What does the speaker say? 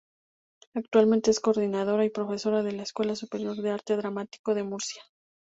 Actualmente es coordinadora y profesora de la Escuela Superior de Arte Dramático de Murcia.